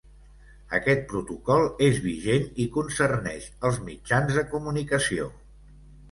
Aquest protocol és vigent i concerneix els mitjans de comunicació.